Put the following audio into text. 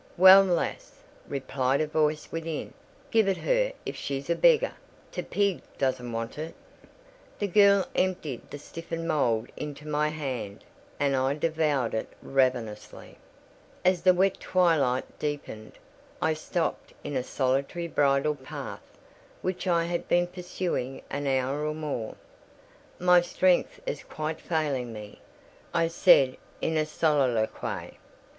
"Well lass," replied a voice within, "give it her if she's a beggar. T' pig doesn't want it." The girl emptied the stiffened mould into my hand, and I devoured it ravenously. As the wet twilight deepened, I stopped in a solitary bridle path, which I had been pursuing an hour or more. "My strength is quite failing me," I said in a soliloquy.